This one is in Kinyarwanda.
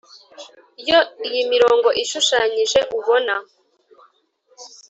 yo iyi mirongo ishushanyije ubona,